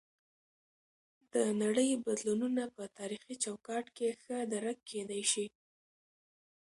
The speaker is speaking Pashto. د نړۍ بدلونونه په تاریخي چوکاټ کې ښه درک کیدی شي.